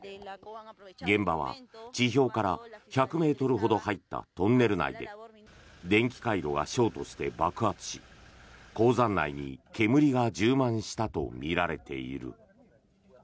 現場は地表から１００ｍほど入ったトンネル内で電気回路がショートして爆発し鉱山内に煙が充満したとみられている。